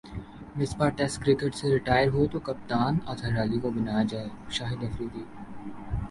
Misbah test cricket سے retire ہو تو کپتان اظہر علی کو بنایا جائےشاہد افریدی